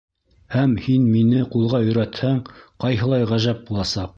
Һәм, һин мине ҡулға өйрәтһәң, ҡайһылай ғәжәп буласаҡ!